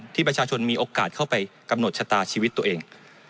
ที่ประชาชนมีโอกาสเข้าไปกำหนดชะตาชีวิตตัวเอง